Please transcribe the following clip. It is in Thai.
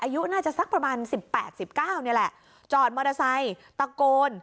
อายุน่าจะสักประมาณสิบแปดสิบเก้านี่แหละจอดมอเตอร์ไซค์ตะโกน